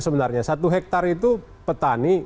sebenarnya satu hektare itu petani